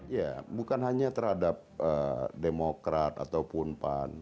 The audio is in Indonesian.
ya bukan hanya terhadap demokrat ataupun pan